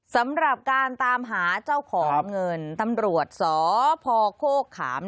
สำหรับการตามหาเจ้าของเงินตำรวจสพโคกขาม